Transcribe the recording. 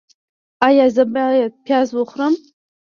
ایا زه باید پیاز وخورم؟